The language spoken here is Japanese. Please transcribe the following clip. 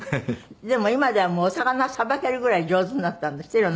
でも今ではもうお魚さばけるぐらい上手になったんですって？